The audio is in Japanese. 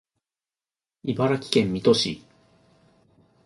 茨城県水戸市